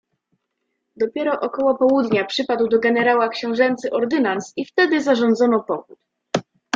"Dopiero około południa przypadł do generała książęcy ordynans i wtedy zarządzono pochód."